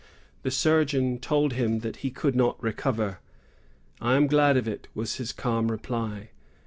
The surgeons told him that he could not recover. "I am glad of it," was his calm reply.